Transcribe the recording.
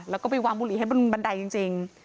แล้วก็ไปวางบุหรี่ให้บนบันไดจริง